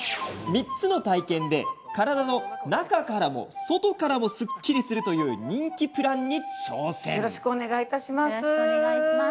３つの体験で体の中からも外からもすっきりするという人気プランに挑戦。